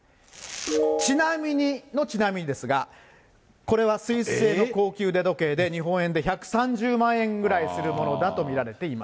ちなみに、のちなみにですが、これはスイス製の高級腕時計で、日本円で１３０万円ぐらいするものだと見られています。